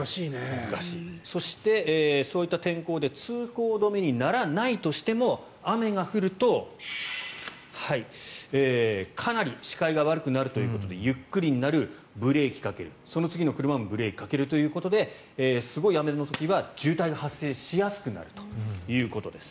そしてそういった天候で通行止めにならないとしても雨が降るとかなり視界が悪くなるということでゆっくりになる、ブレーキかけるその次の車もブレーキかけるということですごい雨の時は渋滞が発生しやすくなるということです。